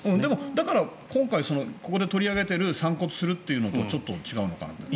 だから今回ここで取り上げている散骨するというのとちょっと違うのかなと。